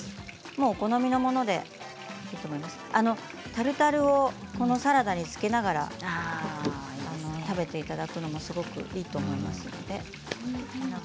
お好みのものでタルタルをこのサラダにつけながら食べていただくのもすごくいいと思います。